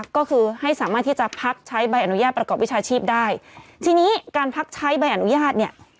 ก็คือให้สามารถที่จะพักใช้ใบอนุญาตประกอบวิชาชีพได้ทีนี้การพักใช้ใบอนุญาตเนี่ย